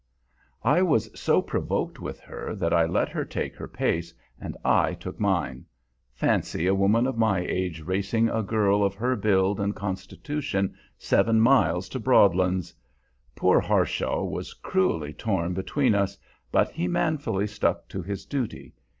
I was so provoked with her that I let her take her pace and I took mine. Fancy a woman of my age racing a girl of her build and constitution seven miles to Broadlands! Poor Harshaw was cruelly torn between us, but he manfully stuck to his duty.